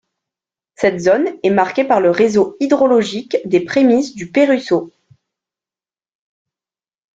Cette zone est marquée par le réseau hydrologique des prémices du Péruseau.